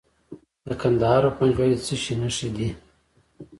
د کندهار په پنجوايي کې د څه شي نښې دي؟